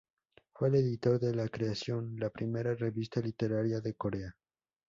Fue el editor de "La creación", la primera revista literaria de Corea.